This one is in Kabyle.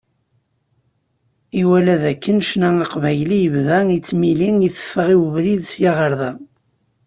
Iwala d akken ccna aqbayli yebda yettmili iteffeɣ i ubrid, sya ɣer da.